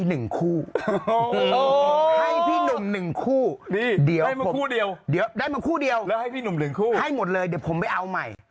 ให้หมดเลยเดียวผมไปเอาใหม่